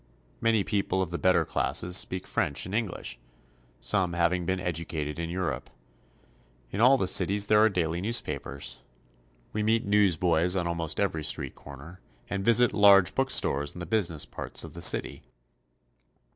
Many people of the better classes speak French and English, some having been educated in Europe. In all the cities there are daily newspapers. We meet newsboys on almost every street corner, and visit large bookstores in the business parts of the city.